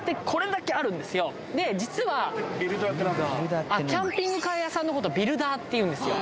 これ全部で実はキャンピングカー屋さんのことをビルダーっていうんですよ